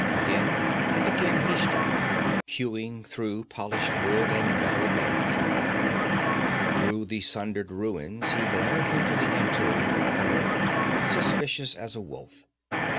Again and again he struck, hewing through polished wood and metal bands alike. Through the sundered ruins he glared into the interior, alert and suspicious as a wolf.